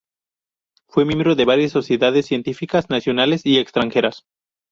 Fue miembro de varias sociedades científicas, nacionales y extranjeras.